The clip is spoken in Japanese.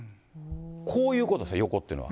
こういうことですか、横ってのは。